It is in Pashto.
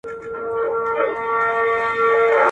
د زړه سر جانان مي وايي چي پر سرو سترګو مین دی.